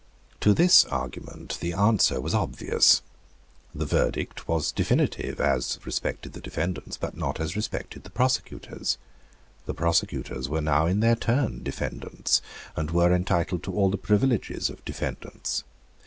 To this argument the answer was obvious. The verdict was definitive as respected the defendants, but not as respected the prosecutors. The prosecutors were now in their turn defendants, and were entitled to all the privileges of defendants.